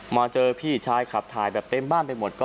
มาเจอพี่ชายขับถ่ายแบบเต็มบ้านไปหมด